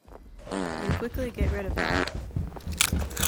You quickly get rid of that.